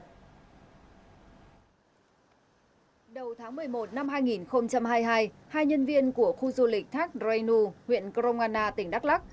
đầu tháng một mươi một năm hai nghìn hai mươi hai hai nhân viên của khu du lịch thác brai nu huyện cromana tỉnh đắk lắc